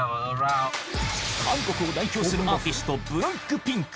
韓国を代表するアーティストＢＬＡＣＫＰＩＮＫ